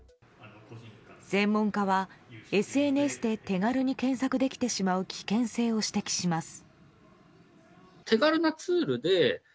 専門家はＳＮＳで手軽で検索できてしまう危険性を指摘します。